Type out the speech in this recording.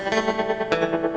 berangkat sekarang aja